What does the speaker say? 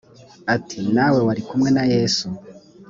ati nawe wari kumwe na yesu